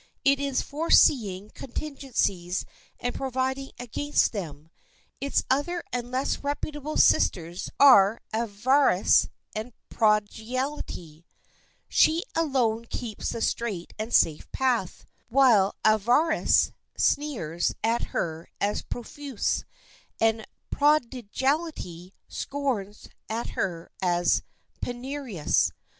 It is foreseeing contingencies and providing against them. Its other and less reputable sisters are Avarice and Prodigality. She alone keeps the straight and safe path, while Avarice sneers at her as profuse, and Prodigality scorns at her as penurious.